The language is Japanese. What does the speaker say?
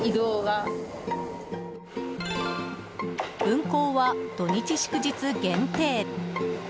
運行は土日祝日限定。